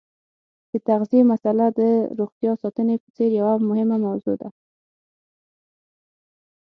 د تغذیې مساله د روغتیا ساتنې په څېر یوه مهمه موضوع ده.